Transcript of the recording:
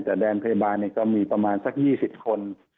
แต่แดนพยาบาลก็มีประมาณสัก๒๐คน